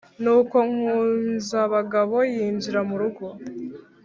nuko nkunzabagabo yinjira murugo